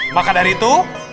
maka dari itu